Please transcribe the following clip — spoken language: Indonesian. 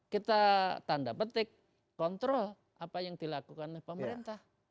kita tanda petik kontrol apa yang dilakukan oleh pemerintah